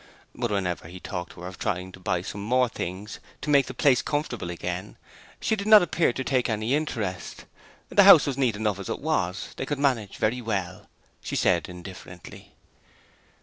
But whenever he talked of trying to buy some more things to make the place comfortable again, she did not appear to take any interest: the house was neat enough as it was: they could manage very well, she said, indifferently.